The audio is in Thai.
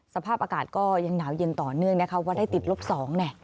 สภาพอากาศก็ยังหนาวเย็นต่อเนื่องนะคะว่าได้ติดลบสอง